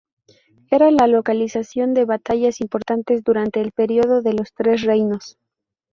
Era la localización de batallas importantes durante el periodo de los Tres Reinos.